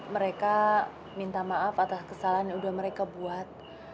mereka minta maaf atas kesalahan yang sudah mereka buat